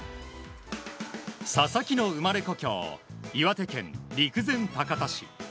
佐々木の生まれ故郷岩手県陸前高田市。